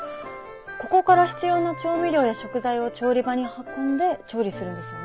ここから必要な調味料や食材を調理場に運んで調理するんですよね？